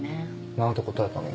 何て答えたの？